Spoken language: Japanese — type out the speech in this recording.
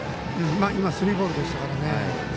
スリーボールでしたからね。